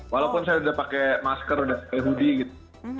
walaupun saya sudah pakai masker sudah pakai hoodie gitu